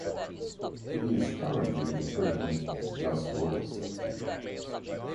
He is currently the president of Glasgow Celtic.